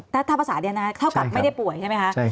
ถ้าภาษาเดียวนะเท่ากับไม่ได้ป่วยใช่ไหมคะ